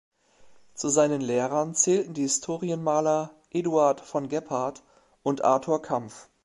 Zu seinen Lehrern zählten die Historienmaler Eduard von Gebhardt und Arthur Kampf.